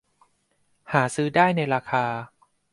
หาซื้อได้ในราคา